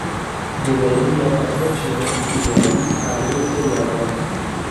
De la India pasó a China y de ahí a Grecia y a Roma.